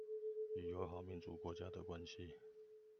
與友好民主國家的關係